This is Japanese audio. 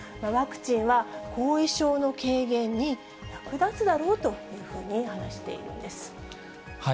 ワクチンは後遺症の軽減に役立つだろうというふうに話しているんです。